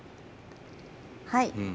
はい。